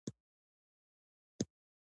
یوازې سولې ته اړتیا ده.